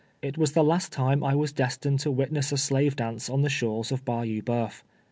It was the last time I was destined to witness a slave dance on the shores of Ba you Boeuf.